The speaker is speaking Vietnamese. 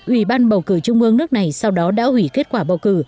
ủy ban bầu cử trung ương nước này sau đó đã hủy kết quả bầu cử